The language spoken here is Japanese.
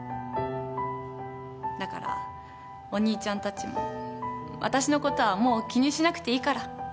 だからお兄ちゃんたちも私のことはもう気にしなくていいから。